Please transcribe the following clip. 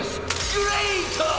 グレート！